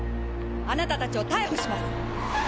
あなた達を逮捕します！